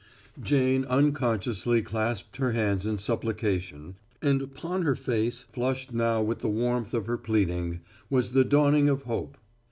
Jane unconsciously clasped her hands in supplication, and upon her face, flushed now with the warmth of her pleading, was the dawning of hope.